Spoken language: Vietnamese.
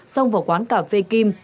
xông vào quán cà phê kim